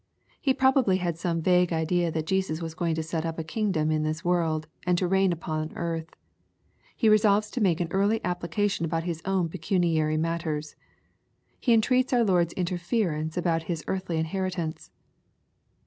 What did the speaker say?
He probably had some vague idea that Jesus was going to set up a king dom in this world, and to reign upon earth. He resolves to make an early application about his own pecuniary matters. He entreats our Lord's interference about his earthly inheritance.